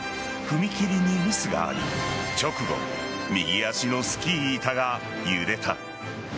踏み切りにミスがあり、直後右足のスキー板が揺れた。